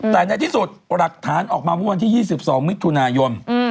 แต่ในที่สุดหลักฐานออกมาเมื่อวันที่๒๒มิถุนายน